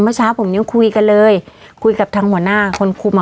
เมื่อเช้าผมยังคุยกันเลยคุยกับทางหัวหน้าคนคุมอ่ะ